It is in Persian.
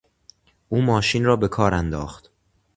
او ماشین را به کار انداخت.